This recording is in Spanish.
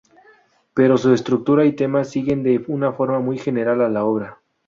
Pero su estructura y temas siguen de una forma muy general a la obra.